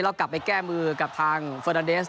แล้วกลับไปแก้มือกับทางเฟอร์ดาเดส